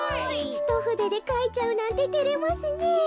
ひとふででかいちゃうなんててれますねえ。